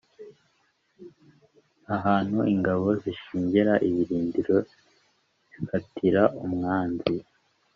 ahantu ingabo zishingira ibirindiro zikazitira umwanzi